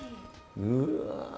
うわ。